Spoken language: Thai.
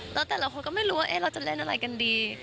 แล้วแต่ละคนก็ไม่รู้ว่าเราจะเล่นอะไรกันดี